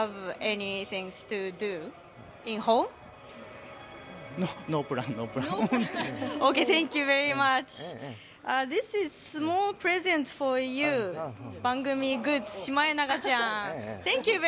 Ｎｏｐｌａｎ．番組グッズ、シマエナガちゃん。